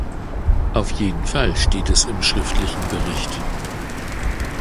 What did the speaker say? Auf jeden Fall steht es im schriftlichen Bericht.